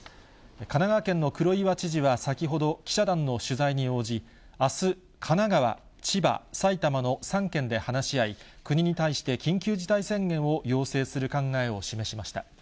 神奈川県の黒岩知事は、先ほど、記者団の取材に応じ、あす、神奈川、千葉、埼玉の３県で話し合い、国に対して緊急事態宣言を要請する考えを示しました。